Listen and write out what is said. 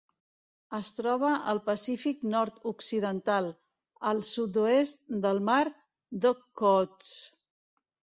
Es troba al Pacífic nord-occidental: el sud-oest del mar d'Okhotsk.